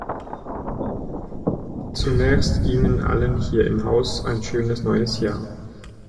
Zunächst Ihnen allen hier im Haus ein schönes neues Jahr!